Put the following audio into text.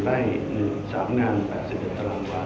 ๔ไร่๑๓งาน๘๑ตารางกว่า